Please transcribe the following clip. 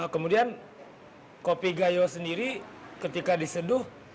kemudian kopi gayo sendiri ketika diseduh